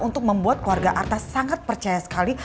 untuk membuat keluarga arta sangat percaya sekali